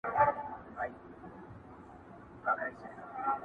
تاوېدی له ډېره درده قهرېدلی!!